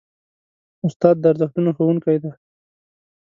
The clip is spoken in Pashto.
استاد د ارزښتونو ښوونکی دی.